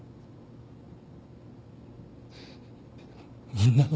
みんなの。